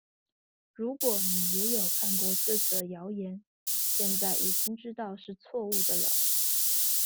如果你也有看過這則謠言，現在已經知道是錯誤的了